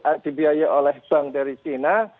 itu dibiayai oleh bank dari china